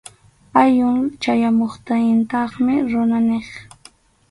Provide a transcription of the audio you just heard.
Awyun chayamuptintaqmi runa niq.